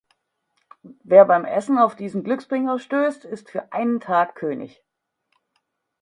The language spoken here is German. Wer beim Essen auf diesen Glücksbringer stößt, ist für einen Tag König.